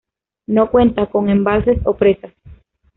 No cuenta con embalses o presas.